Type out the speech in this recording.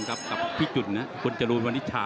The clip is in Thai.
กับพี่จุนคุณจรูภัณฑิชา